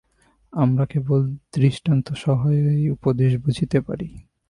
আমরা কেবল দৃষ্টান্তসহায়েই উপদেশ বুঝিতে পারি।